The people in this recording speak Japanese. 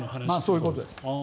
そういうことです。